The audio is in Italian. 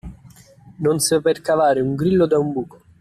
Non saper cavare un grillo da un buco.